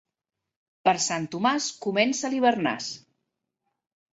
Per Sant Tomàs comença l'hivernàs.